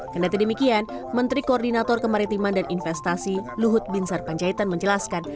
kedatian demikian menteri koordinator kemaritiman dan investasi luhut bin sarpanjaitan menjelaskan